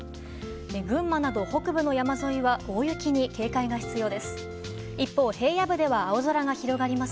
群馬など、北部の山沿いは大雪に警戒が必要です。